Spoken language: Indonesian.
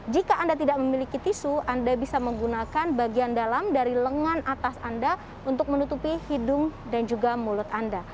jika anda tidak memiliki tisu anda bisa menggunakan bagian dalam dari lengan atas anda untuk menutupi hidung dan juga mulut anda